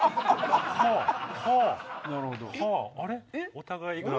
お互いが。